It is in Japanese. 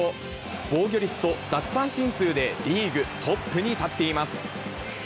防御率と奪三振数でリーグトップに立っています。